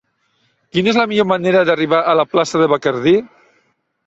Quina és la millor manera d'arribar a la plaça de Bacardí?